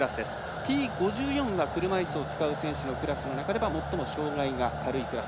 Ｔ５４は車いすを使うクラスの中では最も障がいが軽いクラス。